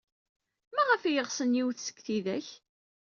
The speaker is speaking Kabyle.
Maɣef ay ɣsen yiwet seg tidak?